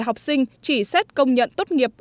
học sinh chỉ xét công nhận tốt nghiệp